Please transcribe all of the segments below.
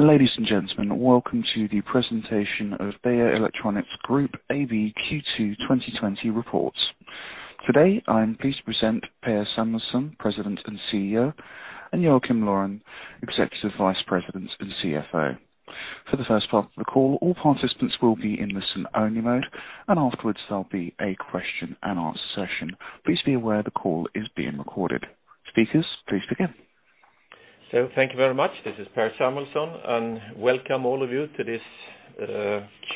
Ladies and gentlemen, welcome to the presentation of Beijer Electronics Group AB Q2 2020 reports. Today, I am pleased to present Per Samuelsson, President and CEO, and Joakim Laurén, Executive Vice President and CFO. For the first part of the call, all participants will be in listen-only mode, and afterwards there will be a question and answer session. Please be aware the call is being recorded. Speakers, please begin. Thank you very much. This is Per Samuelsson, welcome all of you to this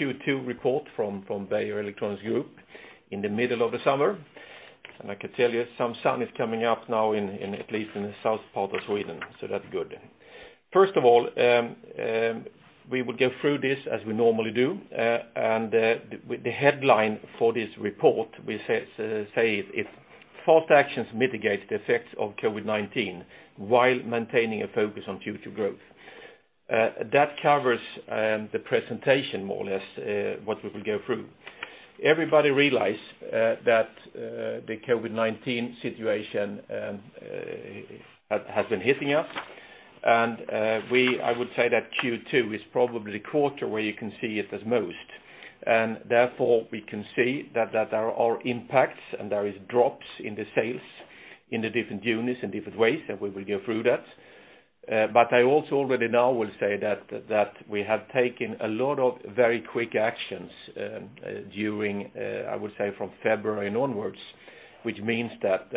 Q2 report from Beijer Electronics Group in the middle of the summer. I can tell you some sun is coming out now in at least in the south part of Sweden, that's good. First of all, we will go through this as we normally do. The headline for this report, we say it, "Fast actions mitigate the effects of COVID-19 while maintaining a focus on future growth." That covers the presentation more or less, what we will go through. Everybody realize that the COVID-19 situation has been hitting us. I would say that Q2 is probably the quarter where you can see it as most. Therefore, we can see that there are impacts and there is drops in the sales in the different units in different ways, and we will go through that. I also already now will say that we have taken a lot of very quick actions during, I would say from February onwards, which means that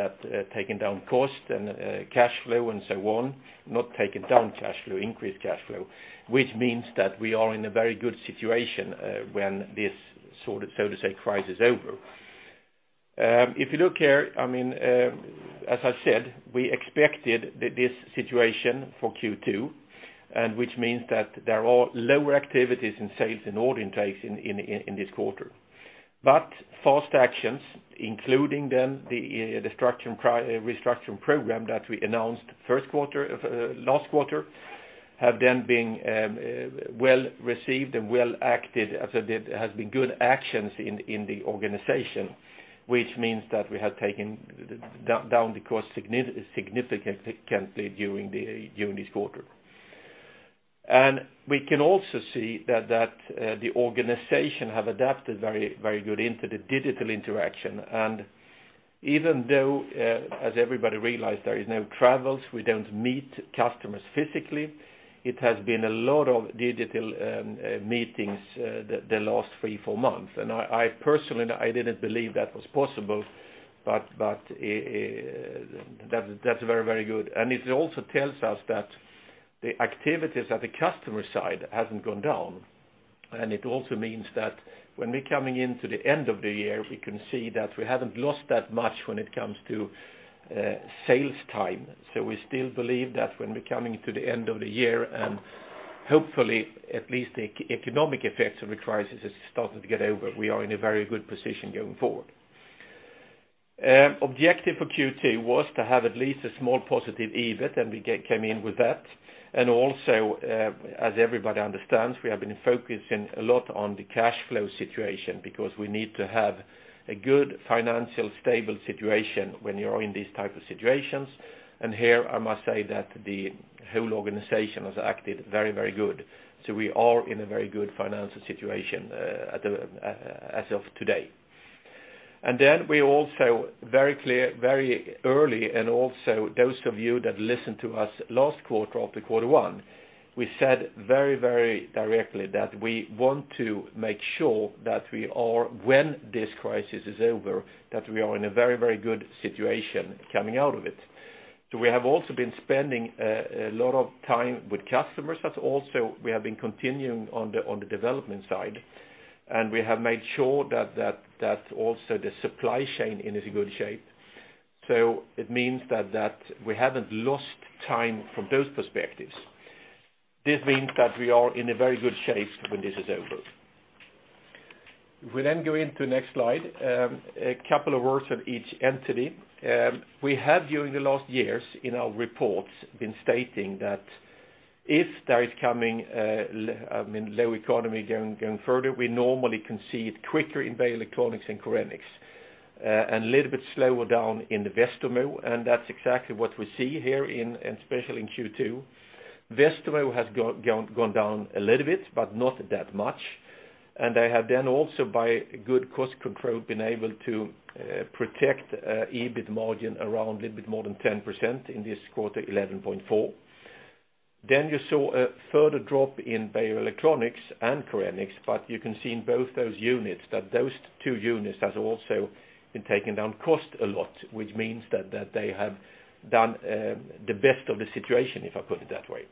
taking down cost and cash flow and so on, not taking down cash flow, increase cash flow, which means that we are in a very good situation when this sort of, so to say, crisis is over. If you look here, as I said, we expected this situation for Q2, and which means that there are lower activities in sales and order intakes in this quarter. Fast actions, including then the restructuring program that we announced first quarter of last quarter, have then been well-received and well-acted as it has been good actions in the organization, which means that we have taken down the cost significantly during this quarter. We can also see that the organization have adapted very good into the digital interaction. Even though, as everybody realized, there is no travels, we don't meet customers physically, it has been a lot of digital meetings the last three, four months. I personally, I didn't believe that was possible, but that's very good. It also tells us that the activities at the customer side hasn't gone down. It also means that when we coming into the end of the year, we can see that we haven't lost that much when it comes to sales time. We still believe that when we coming to the end of the year, and hopefully at least the economic effects of the crisis has started to get over, we are in a very good position going forward. Objective for Q2 was to have at least a small positive EBIT, and we came in with that. Also, as everybody understands, we have been focusing a lot on the cash flow situation because we need to have a good financial stable situation when you are in these type of situations. Here I must say that the whole organization has acted very good, so we are in a very good financial situation as of today. We also very clear, very early and also those of you that listened to us last quarter of the Q1, we said very directly that we want to make sure that we are, when this crisis is over, that we are in a very good situation coming out of it. We have also been spending a lot of time with customers, but also we have been continuing on the development side, and we have made sure that also the supply chain is in good shape. It means that, we haven't lost time from those perspectives. This means that we are in a very good shape when this is over. We go into next slide, a couple of words on each entity. We have during the last years in our reports been stating that if there is coming low economy going further, we normally can see it quicker in Beijer Electronics and Korenix, and a little bit slower down in the Westermo. That's exactly what we see here especially in Q2. Westermo has gone down a little bit, but not that much. They have then also by good cost control, been able to protect EBIT margin around a little bit more than 10% in this quarter, 11.4%. You saw a further drop in Beijer Electronics and Korenix, but you can see in both those units that those two units has also been taking down cost a lot, which means that they have done the best of the situation, if I put it that way.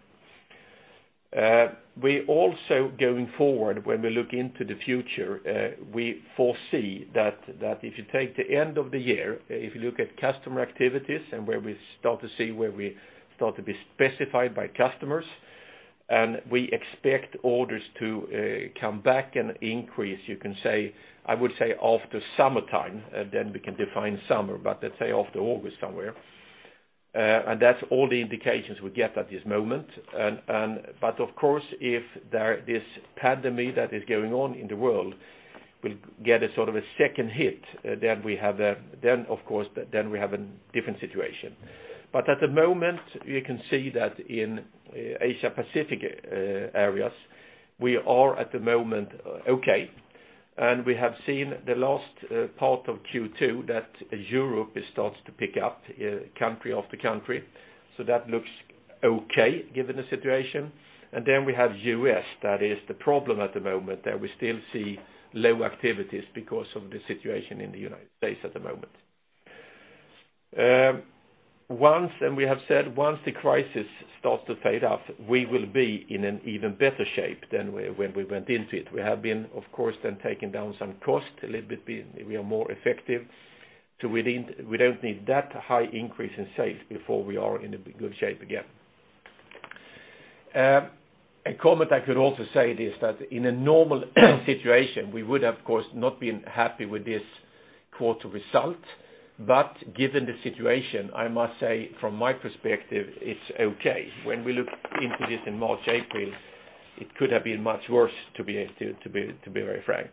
We also going forward when we look into the future, we foresee that if you take the end of the year, if you look at customer activities and where we start to see where we start to be specified by customers, we expect orders to come back and increase, you can say, I would say after summertime, then we can define summer, but let's say after August somewhere. That's all the indications we get at this moment. Of course, if this pandemic that is going on in the world, we'll get a sort of a second hit, then of course, we have a different situation. At the moment, you can see that in Asia Pacific areas, we are at the moment okay. We have seen the last part of Q2 that Europe starts to pick up country after country. That looks okay given the situation. Then we have U.S., that is the problem at the moment, that we still see low activities because of the situation in the United States at the moment. We have said once the crisis starts to fade out, we will be in an even better shape than when we went into it. We have been, of course, then taking down some cost a little bit. We are more effective. We don't need that high increase in sales before we are in a good shape again. A comment I could also say is that in a normal situation, we would have, of course, not been happy with this quarter result. Given the situation, I must say from my perspective, it's okay. When we look into this in March, April, it could have been much worse, to be very frank.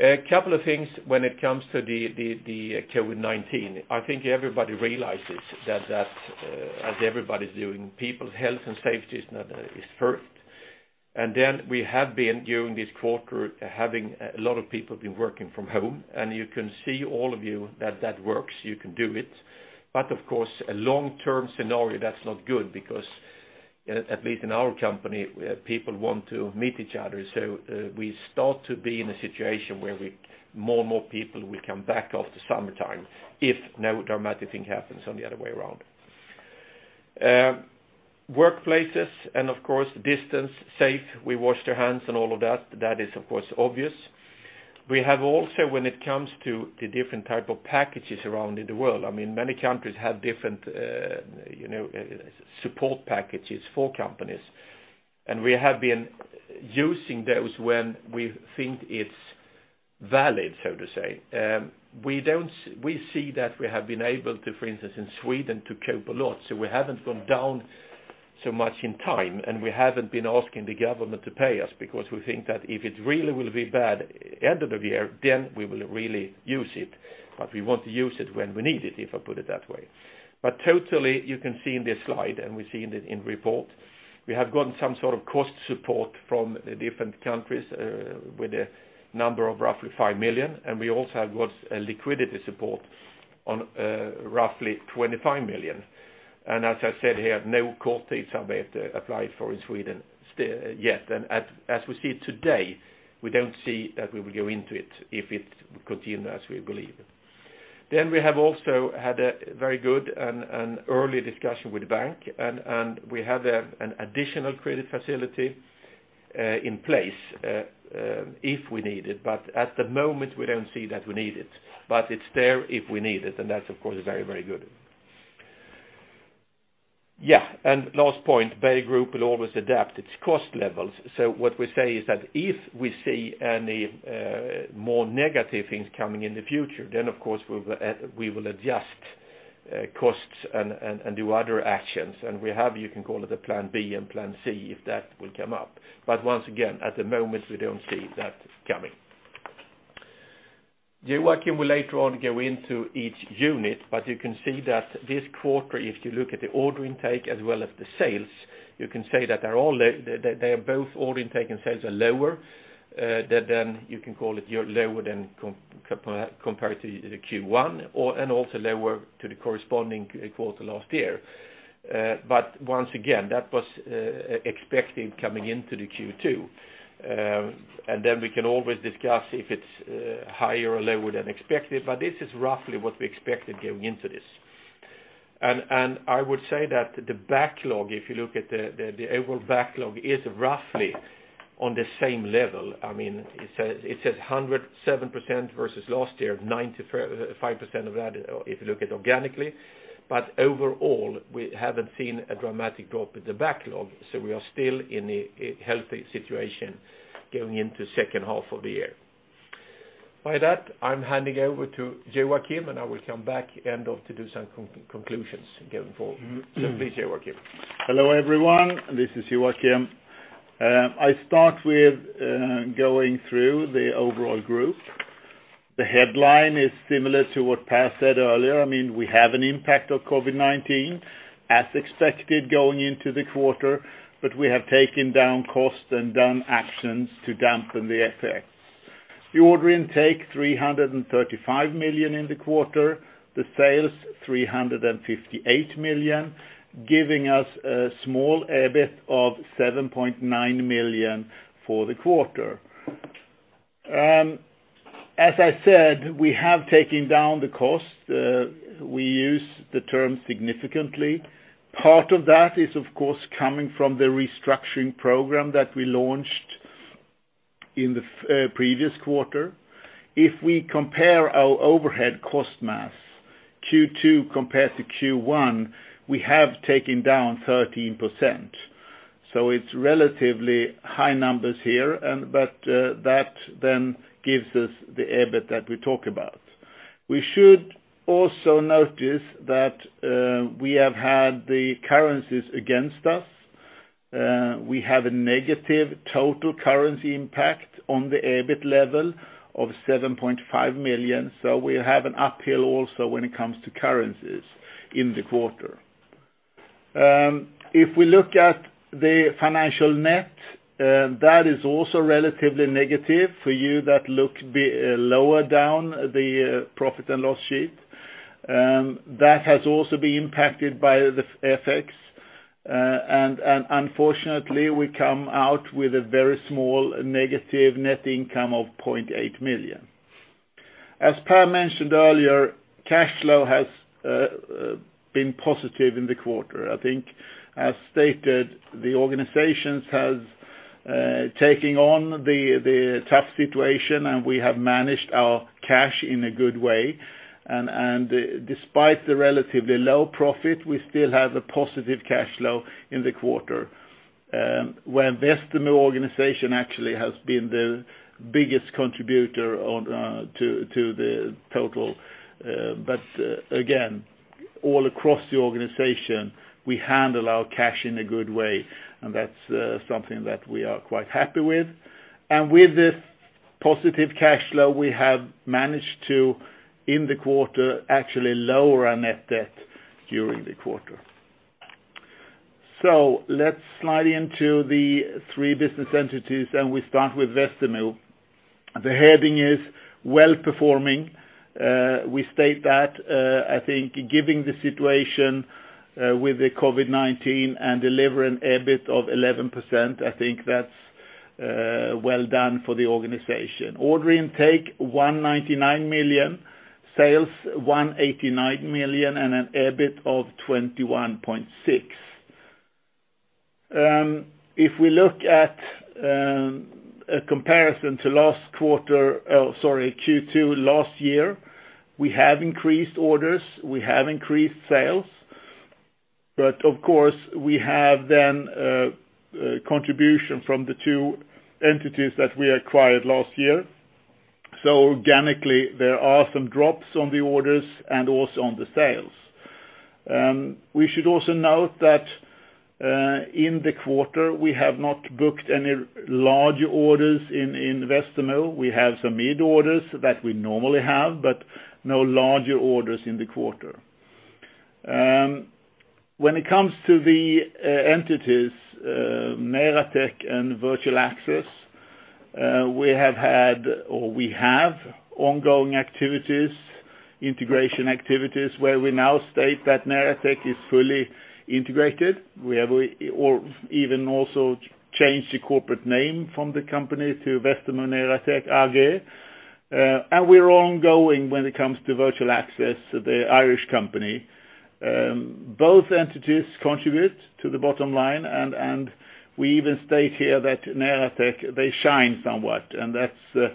A couple of things when it comes to the COVID-19. I think everybody realizes that as everybody's doing, people's health and safety is first. Then we have been, during this quarter, having a lot of people been working from home, and you can see, all of you, that that works. You can do it. Of course, a long-term scenario, that's not good because at least in our company, people want to meet each other. We start to be in a situation where more and more people will come back after summertime if no dramatic thing happens on the other way around. Workplaces and, of course, distance, safe, we wash their hands and all of that. That is, of course, obvious. We have also, when it comes to the different type of packages around in the world, many countries have different support packages for companies. We have been using those when we think it's valid, so to say. We see that we have been able to, for instance, in Sweden, to cope a lot. We haven't gone down so much in time. We haven't been asking the government to pay us because we think that if it really will be bad end of the year, we will really use it. We want to use it when we need it, if I put it that way. Totally, you can see in this slide, and we see in the report, we have gotten some sort of cost support from the different countries with a number of roughly 5 million, and we also have got a liquidity support on roughly 25 million. As I said here, no short-time work applied for in Sweden yet. As we see today, we don't see that we will go into it if it continue as we believe. We have also had a very good and early discussion with the bank, and we have an additional credit facility in place if we need it. At the moment, we don't see that we need it. It's there if we need it, and that's of course very good. Last point. Beijer Group will always adapt its cost levels. What we say is that if we see any more negative things coming in the future, then of course we will adjust costs and do other actions. We have, you can call it a plan B and plan C, if that will come up. Once again, at the moment, we don't see that coming. Joakim will later on go into each unit, but you can see that this quarter, if you look at the order intake as well as the sales, you can say that they are both order intake and sales are lower, that then you can call it lower than compared to the Q1, and also lower to the corresponding quarter last year. Once again, that was expected coming into the Q2. We can always discuss if it's higher or lower than expected, but this is roughly what we expected going into this. I would say that the backlog, if you look at the overall backlog, is roughly on the same level. It says 107% versus last year, 95% of that if you look at organically. Overall, we haven't seen a dramatic drop in the backlog, so we are still in a healthy situation going into second half of the year. By that, I'm handing over to Joakim, and I will come back end of to do some conclusions going forward. Please, Joakim. Hello, everyone. This is Joakim. I start with going through the overall group. The headline is similar to what Per said earlier. We have an impact of COVID-19 as expected going into the quarter. We have taken down cost and done actions to dampen the effect. The order intake, 335 million in the quarter, the sales, 358 million, giving us a small EBIT of 7.9 million for the quarter. As I said, we have taken down the cost. We use the term significantly. Part of that is, of course, coming from the restructuring program that we launched in the previous quarter. If we compare our overhead cost mass, Q2 compared to Q1, we have taken down 13%. It's relatively high numbers here, that then gives us the EBIT that we talk about. We should also notice that we have had the currencies against us. We have a negative total currency impact on the EBIT level of 7.5 million. We have an uphill also when it comes to currencies in the quarter. If we look at the financial net, that is also relatively negative. For you that look lower down the profit and loss sheet, that has also been impacted by the FX. Unfortunately, we come out with a very small negative net income of 0.8 million. As Per mentioned earlier, cash flow has been positive in the quarter. As stated, the organization has taken on the tough situation, and we have managed our cash in a good way. Despite the relatively low profit, we still have a positive cash flow in the quarter, where Westermo organization actually has been the biggest contributor to the total. Again, all across the organization, we handle our cash in a good way, and that's something that we are quite happy with. With this positive cash flow, we have managed to, in the quarter, actually lower our net debt during the quarter. Let's slide into the three business entities, and we start with Westermo. The heading is Well Performing. We state that, I think giving the situation with the COVID-19 and delivering EBIT of 11%, I think that's well done for the organization. Order intake, 199 million, sales 189 million, and an EBIT of 21.6 million. If we look at a comparison to Q2 last year, we have increased orders, we have increased sales, of course we have then contribution from the two entities that we acquired last year. Organically, there are some drops on the orders and also on the sales. We should also note that in the quarter, we have not booked any large orders in Westermo. We have some mid orders that we normally have, but no larger orders in the quarter. When it comes to the entities, Neratec and Virtual Access, we have ongoing activities, integration activities, where we now state that Neratec is fully integrated. We have even also changed the corporate name from the company to Westermo Welotec GmbH. We're ongoing when it comes to Virtual Access, the Irish company. Both entities contribute to the bottom line, and we even state here that Neratec, they shine somewhat. That's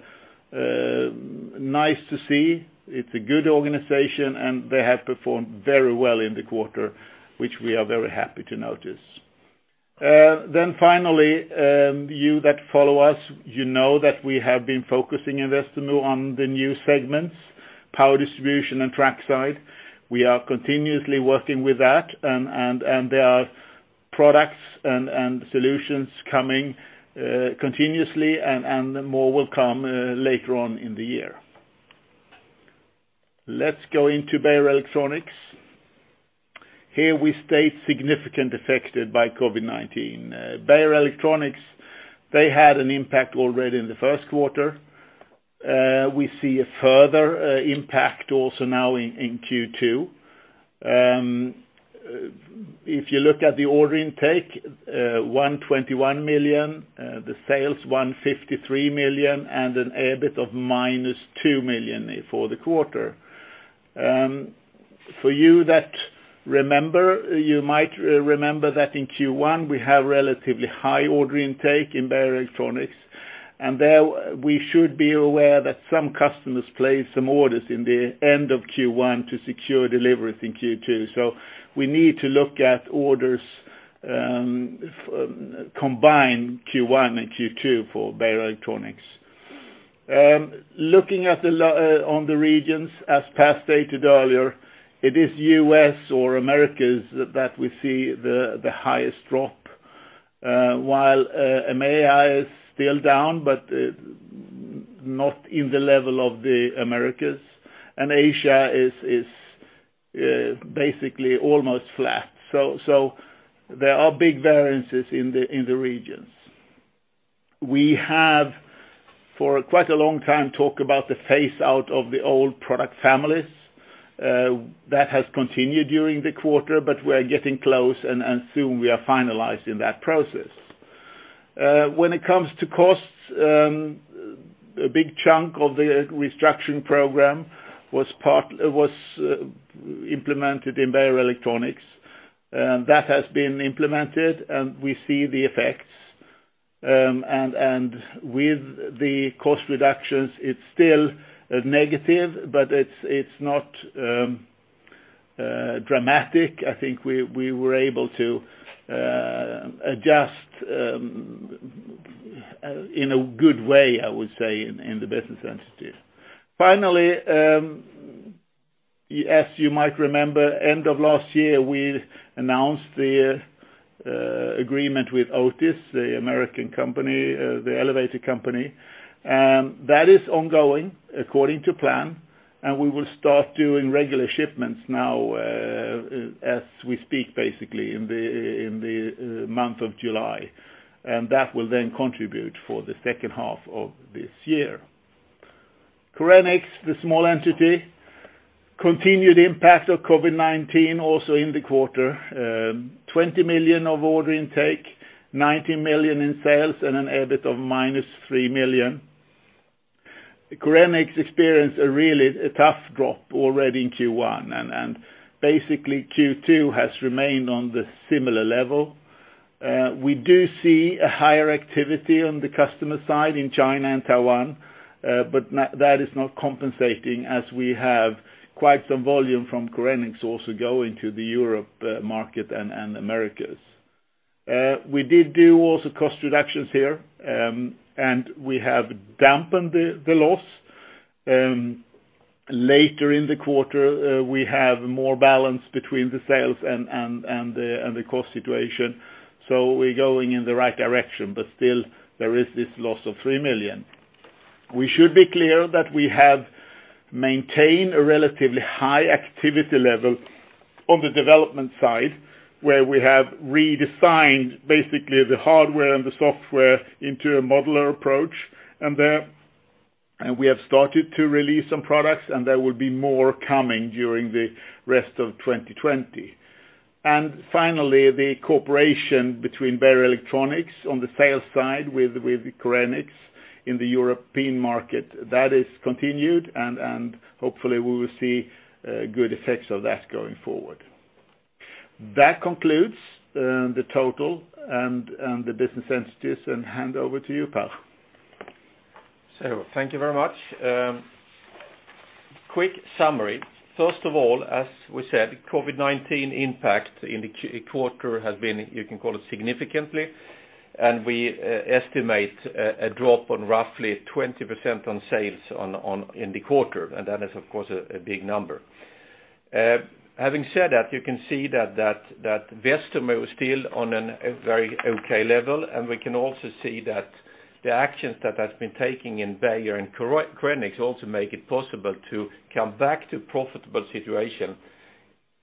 nice to see. It's a good organization, and they have performed very well in the quarter, which we are very happy to notice. Finally, you that follow us, you know that we have been focusing in Westermo on the new segments, power distribution and trackside. We are continuously working with that, and there are products and solutions coming continuously, and more will come later on in the year. Let's go into Beijer Electronics. Here we state significant affected by COVID-19. Beijer Electronics, they had an impact already in the first quarter. We see a further impact also now in Q2. If you look at the order intake, 121 million, the sales 153 million, and an EBIT of minus 2 million for the quarter. For you that remember, you might remember that in Q1, we have relatively high order intake in Beijer Electronics, and there we should be aware that some customers place some orders in the end of Q1 to secure delivery in Q2. We need to look at orders combined Q1 and Q2 for Beijer Electronics. Looking on the regions, as Per stated earlier, it is U.S. or Americas that we see the highest drop, while EMEA is still down, but not in the level of the Americas, and Asia is basically almost flat. There are big variances in the regions. We have for quite a long time talked about the phase out of the old product families. That has continued during the quarter, but we are getting close and soon we are finalized in that process. When it comes to costs, a big chunk of the restructuring program was implemented in Beijer Electronics. That has been implemented, and we see the effects. With the cost reductions, it's still negative, but it's not dramatic. I think we were able to adjust in a good way, I would say, in the business entities. Finally, as you might remember, end of last year, we announced the agreement with Otis, the American company, the elevator company. That is ongoing according to plan, and we will start doing regular shipments now as we speak, basically in the month of July. That will then contribute for the second half of this year. Korenix, the small entity, continued impact of COVID-19 also in the quarter, 20 million of order intake, 19 million in sales, and an EBIT of minus 3 million. Korenix experienced a really tough drop already in Q1, and basically Q2 has remained on the similar level. We do see a higher activity on the customer side in China and Taiwan, but that is not compensating as we have quite some volume from Korenix also going to the Europe market and Americas. We did do also cost reductions here, and we have dampened the loss. Later in the quarter, we have more balance between the sales and the cost situation. We're going in the right direction, but still there is this loss of 3 million. We should be clear that we have maintained a relatively high activity level on the development side, where we have redesigned basically the hardware and the software into a modular approach, and we have started to release some products, and there will be more coming during the rest of 2020. Finally, the cooperation between Beijer Electronics on the sales side with Korenix in the European market. That has continued, and hopefully, we will see good effects of that going forward. That concludes the total and the business entities, and hand over to you, Per. Thank you very much. Quick summary. As we said, COVID-19 impact in the quarter has been, you can call it significantly, and we estimate a drop on roughly 20% on sales in the quarter. That is, of course, a big number. Having said that, you can see that Westermo is still on a very okay level, and we can also see that the actions that have been taking in Beijer and Korenix also make it possible to come back to profitable situation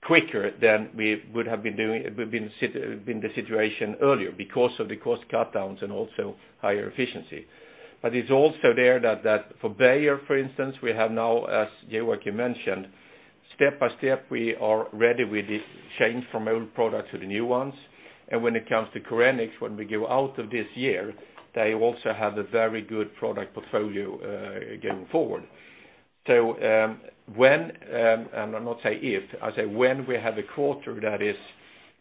quicker than we would have been the situation earlier because of the cost cutdowns and also higher efficiency. It's also there that for Beijer, for instance, we have now, as Joakim mentioned, step by step, we are ready with this change from old products to the new ones. When it comes to Korenix, when we go out of this year, they also have a very good product portfolio going forward. When, and I'm not saying if, I say when we have a quarter that is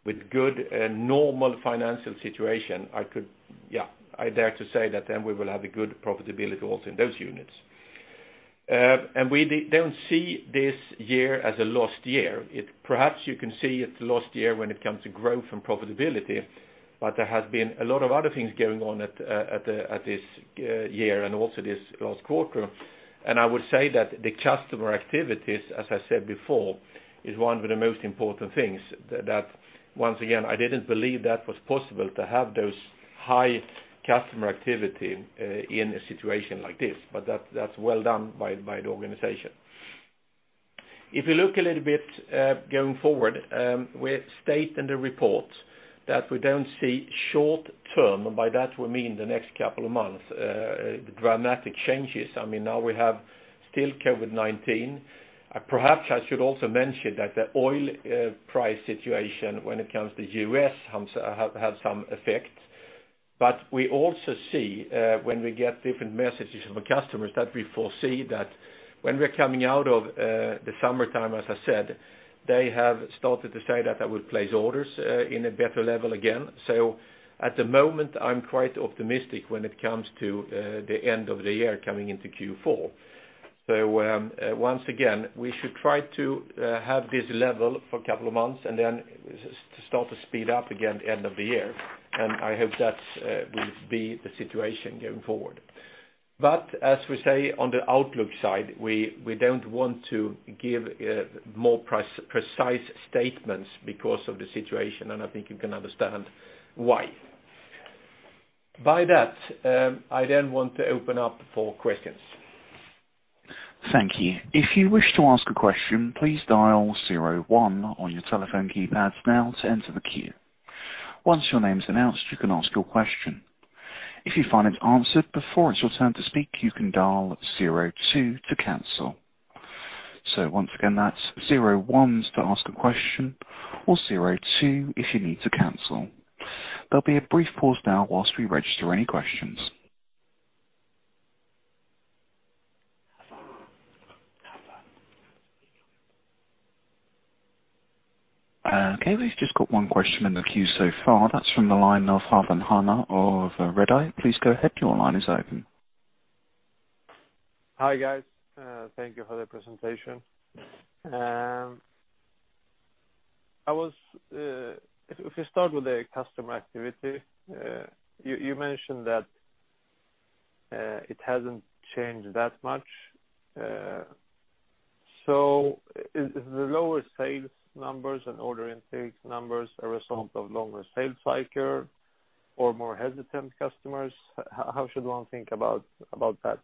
with good normal financial situation, I dare to say that then we will have a good profitability also in those units. We don't see this year as a lost year. Perhaps you can see it a lost year when it comes to growth and profitability, but there has been a lot of other things going on at this year and also this last quarter. I would say that the customer activities, as I said before, is one of the most important things that once again, I didn't believe that was possible to have those high customer activity in a situation like this. That's well done by the organization. If you look a little bit going forward, we state in the report that we don't see short term, and by that, we mean the next couple of months, dramatic changes. We have still COVID-19. Perhaps I should also mention that the oil price situation when it comes to U.S. has some effect. We also see when we get different messages from customers that we foresee that when we're coming out of the summertime, as I said, they have started to say that they would place orders in a better level again. At the moment, I'm quite optimistic when it comes to the end of the year coming into Q4. Once again, we should try to have this level for a couple of months and then start to speed up again end of the year. I hope that will be the situation going forward. As we say, on the outlook side, we don't want to give more precise statements because of the situation, and I think you can understand why. By that, I want to open up for questions. Thank you. If you wish to ask a question, please dial 01 on your telephone keypads now to enter the queue. Once your name is announced, you can ask your question. If you find it answered before it's your turn to speak, you can dial 02 to cancel. Once again, that's 01 to ask a question or 02 if you need to cancel. There'll be a brief pause now whilst we register any questions. We've just got one question in the queue so far. That's from the line of Havan Hanna of Redeye. Please go ahead. Your line is open. Hi, guys. Thank you for the presentation. If we start with the customer activity, you mentioned that it hasn't changed that much. Is the lower sales numbers and order intake numbers a result of longer sales cycle or more hesitant customers? How should one think about that?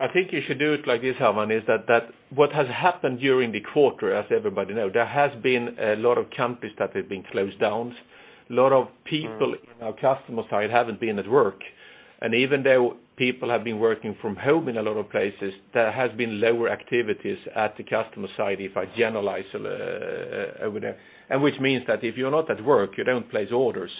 I think you should do it like this, Havan, is that what has happened during the quarter, as everybody know, there has been a lot of companies that have been closed down. A lot of people in our customer side haven't been at work. Even though people have been working from home in a lot of places, there has been lower activities at the customer side, if I generalize over there. Which means that if you're not at work, you don't place orders.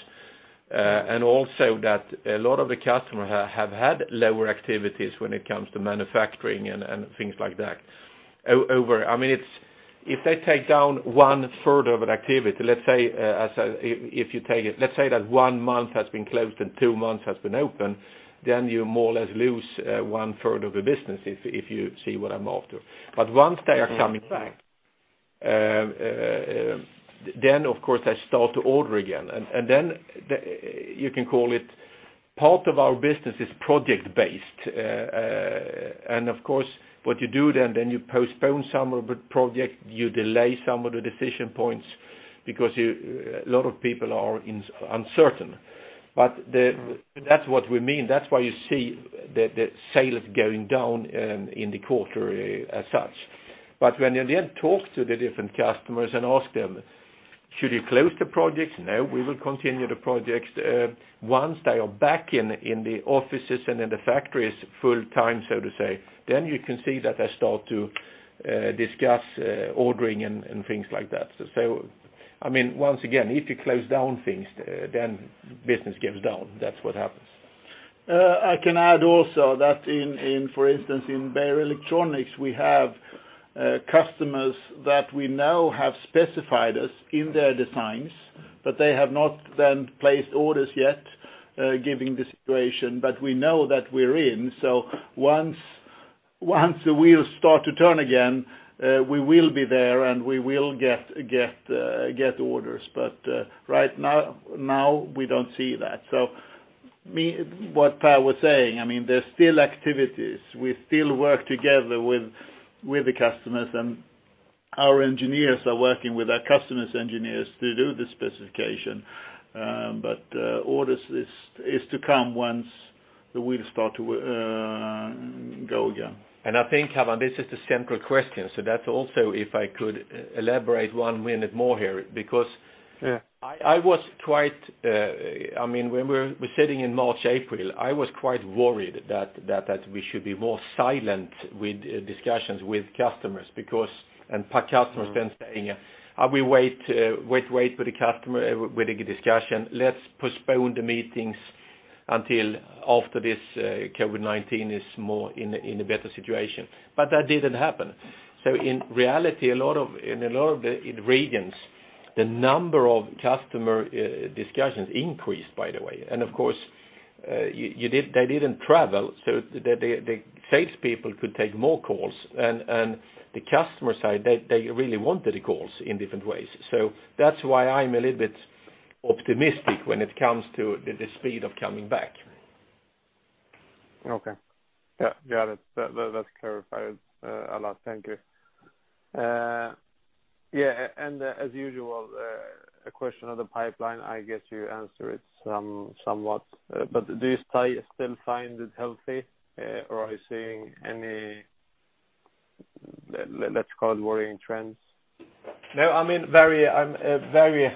Also that a lot of the customer have had lower activities when it comes to manufacturing and things like that. If they take down one-third of an activity, let's say that one month has been closed and two months has been open, then you more or less lose one-third of the business, if you see what I'm after. Once they are coming back, then, of course, they start to order again. Then you can call it, part of our business is project-based. Of course, what you do then you postpone some of the project, you delay some of the decision points because a lot of people are uncertain. That's what we mean. That's why you see the sales going down in the quarter as such. When you then talk to the different customers and ask them, "Should you close the project?" "No, we will continue the project." Once they are back in the offices and in the factories full time, so to say, then you can see that they start to discuss ordering and things like that. Once again, if you close down things, then business goes down. That's what happens. I can add also that, for instance, in Beijer Electronics, we have customers that we now have specified us in their designs, but they have not then placed orders yet, given the situation, but we know that we're in. Once the wheel start to turn again, we will be there and we will get orders. Right now we don't see that. What Per was saying, there's still activities. We still work together with the customers, and our engineers are working with our customer's engineers to do the specification. Orders is to come once the wheel start to go again. I think, Herman, this is the central question. That also if I could elaborate one minute more here. Yeah when we're sitting in March, April, I was quite worried that we should be more silent with discussions with customers because, and per customer's been saying, "We wait for the customer with the discussion. Let's postpone the meetings until after this COVID-19 is more in a better situation." That didn't happen. In reality, in a lot of the regions, the number of customer discussions increased, by the way. Of course, they didn't travel, so the sales people could take more calls. The customer side, they really wanted the calls in different ways. That's why I'm a little bit optimistic when it comes to the speed of coming back. Okay. Yeah, that's clarified a lot. Thank you. As usual, a question on the pipeline, I guess you answered it somewhat. Do you still find it healthy or are you seeing any, let's call it worrying trends? No,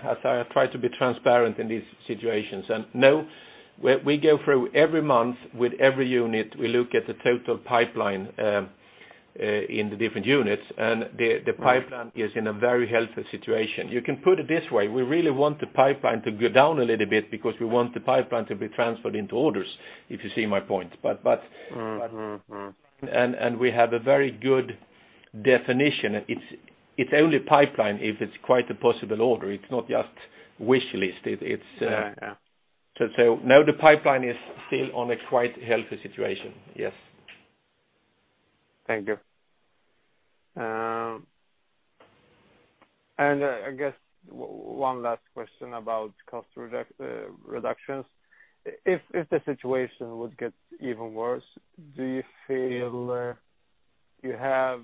I try to be transparent in these situations, and no. We go through every month with every unit, we look at the total pipeline in the different units, and the pipeline is in a very healthy situation. You can put it this way. We really want the pipeline to go down a little bit because we want the pipeline to be transferred into orders, if you see my point. We have a very good definition. It's only pipeline if it's quite a possible order. It's not just wish list. Yeah. No, the pipeline is still on a quite healthy situation. Yes. Thank you. I guess one last question about cost reductions. If the situation would get even worse, do you feel you have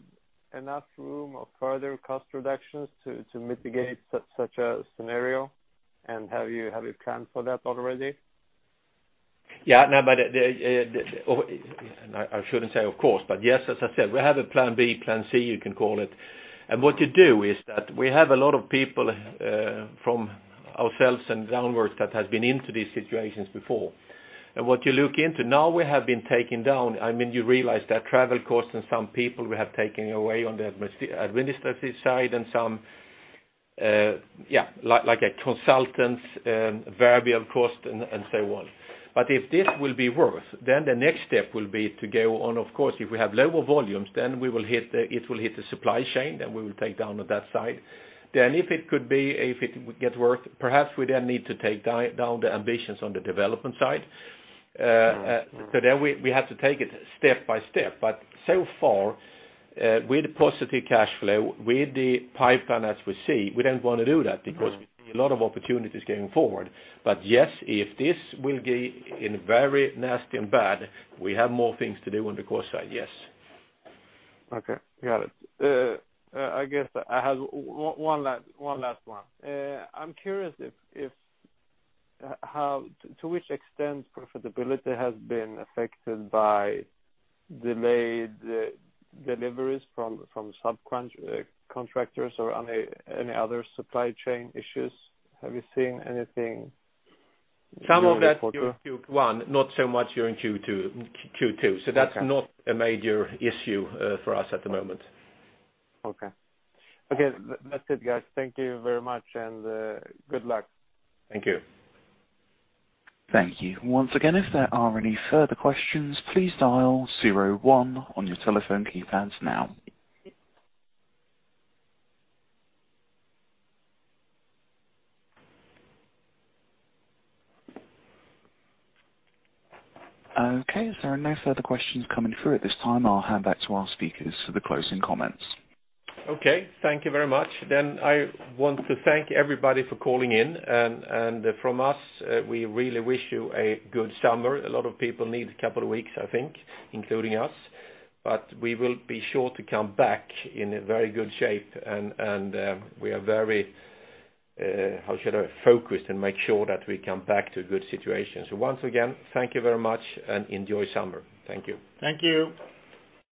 enough room of further cost reductions to mitigate such a scenario? Have you planned for that already? Yeah. I shouldn't say of course, but yes, as I said, we have a plan B, plan C, you can call it. What you do is that we have a lot of people from ourselves and downwards that has been into these situations before. What you look into, now we have been taken down. You realize that travel costs and some people we have taken away on the administrative side and some, like a consultant, variable cost, and so on. If this will be worse, then the next step will be to go on. Of course, if we have lower volumes, then it will hit the supply chain, then we will take down on that side. If it could be, if it would get worse, perhaps we then need to take down the ambitions on the development side. We have to take it step by step. So far, with positive cash flow, with the pipeline as we see, we don't want to do that because we see a lot of opportunities going forward. Yes, if this will be in very nasty and bad, we have more things to do on the cost side. Yes. Okay. Got it. I guess I have one last one. I'm curious to which extent profitability has been affected by delayed deliveries from subcontractors or any other supply chain issues. Have you seen anything? Some of that Q1, not so much during Q2. Okay. That's not a major issue for us at the moment. Okay. That's it, guys. Thank you very much, and good luck. Thank you. Thank you. Once again, if there are any further questions, please dial zero one on your telephone keypads now. Okay. There are no further questions coming through at this time. I'll hand back to our speakers for the closing comments. Okay. Thank you very much. I want to thank everybody for calling in, and from us, we really wish you a good summer. A lot of people need a couple of weeks, I think, including us. We will be sure to come back in a very good shape, and we are very focused and make sure that we come back to a good situation. Once again, thank you very much, and enjoy summer. Thank you. Thank you.